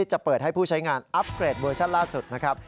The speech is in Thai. จะเปิดให้ผู้ใช้งานอัพเกรดเวอร์ชั่นล่าสุดนะครับ